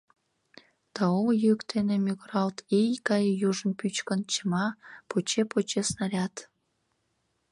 Таул йӱк дене мӱгыралт, ий гае южым пӱчкын, чыма поче-поче снаряд.